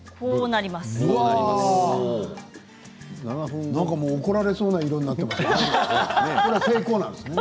なんかもう怒られそうな色になってますね。